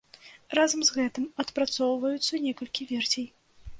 Разам з гэтым адпрацоўваюцца некалькі версій.